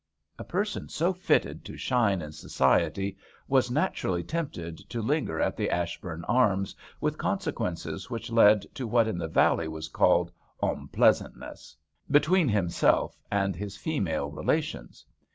A person so fitted to shine in society was naturally tempted to linger at the "Ashbourn Arms" with consequences which led to what in the Valley was called " onpleasantness " between himself and his female relations.